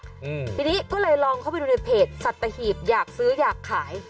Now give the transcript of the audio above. อืมทีนี้ก็เลยลองเข้าไปดูในเพจสัตหีบอยากซื้ออยากขาย